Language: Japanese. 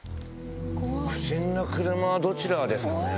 不審な車はどちらですかね。